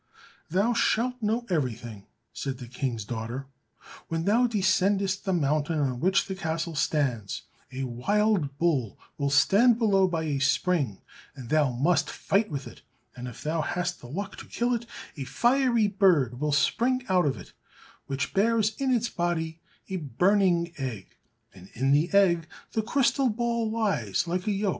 "Thou shalt know everything," said the King's daughter; "when thou descendest the mountain on which the castle stands, a wild bull will stand below by a spring, and thou must fight with it, and if thou hast the luck to kill it, a fiery bird will spring out of it, which bears in its body a burning egg, and in the egg the crystal ball lies like a yolk.